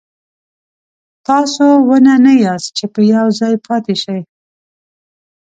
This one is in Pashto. تاسو ونه نه یاست چې په یو ځای پاتې شئ.